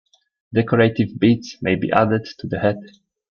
Decorative beads may be added to the head.